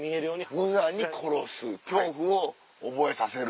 無残に殺す恐怖を覚えさせる。